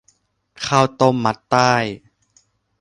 ข้าวต้มมัดไต้